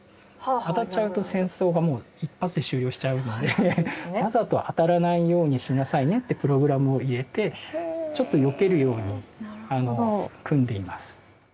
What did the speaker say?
当たっちゃうと戦争がもう一発で終了しちゃうのでわざと当たらないようにしなさいねってプログラムを入れてちょっとよけるように組んでいます。